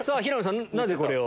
なぜこれを？